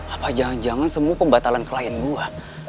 apa jangan jangan semua pembatalan klien buah